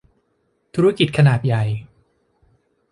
ธุรกิจขนาดใหญ่